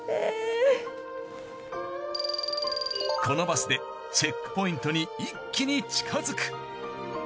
このバスでチェックポイントに一気に近づく。